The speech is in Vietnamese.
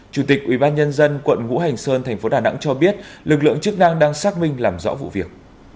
chủ tịch ubnd quận ngũ hành sơn thành phố đà nẵng cho biết lực lượng chức năng đang xác minh làm rõ vụ việc